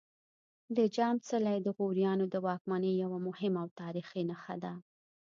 د جام څلی د غوریانو د واکمنۍ یوه مهمه او تاریخي نښه ده